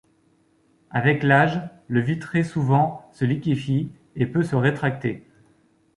Avec l'âge, le vitré souvent se liquéfie et peut se rétracter.